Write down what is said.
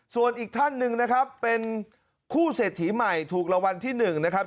ส่วนอีกท่านหนึ่งนะครับเป็นคู่เศรษฐีใหม่ถูกรางวัลที่๑นะครับ